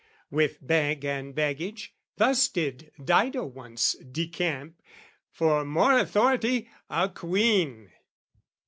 With bag and baggage thus did Dido once Decamp, for more authority, a queen!